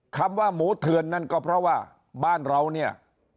คำว่าหมูเถื่อนนั่นก็เพราะว่าบ้านเราเนี่ย